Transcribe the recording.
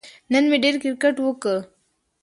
نن مې ډېر کیرکټ وکه